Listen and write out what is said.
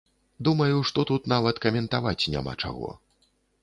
Думаю, што тут нават каментаваць няма чаго.